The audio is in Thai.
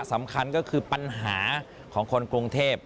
สำคัญก็คือปัญหาของคนกรุงเทพ